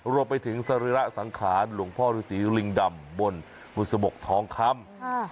รวมไปถึงสรีระสังขารหลวงพ่อฤษีลิงดำบนบุษบกทองคำ